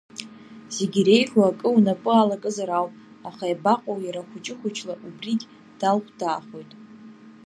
Зегьы иреиӷьу акы унапы алакызар ауп, аха иабаҟоу иара хәыҷы-хәыҷла убригь далхәдаахоит.